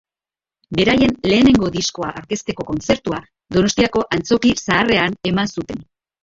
Beraien lehenengo diskoa aurkezteko kontzertua Donostiako Antzoki Zaharrean eman zuten.